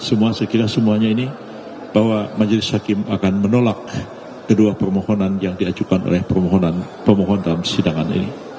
saya kira semuanya ini bahwa majelis hakim akan menolak kedua permohonan yang diajukan oleh permohonan pemohon dalam sidangan ini